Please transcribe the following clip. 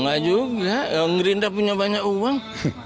gak juga yang gerindra punya banyak uang